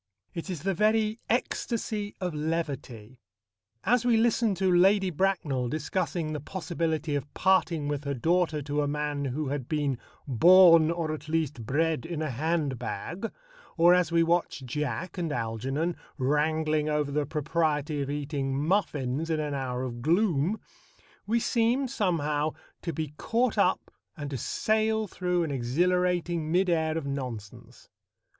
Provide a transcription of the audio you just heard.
It is the very ecstasy of levity. As we listen to Lady Bracknell discussing the possibility of parting with her daughter to a man who had been "born, or at least bred, in a handbag," or as we watch Jack and Algernon wrangling over the propriety of eating muffins in an hour of gloom, we seem somehow to be caught up and to sail through an exhilarating mid air of nonsense.